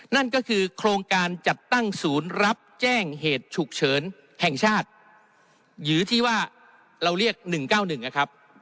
นั่นก็คือโครงการจัดตั้งศูนย์รับแจ้งเหตุฉุกเฉินแห่งชาติหรือที่ว่าเราเรียก๑๙๑นะครับ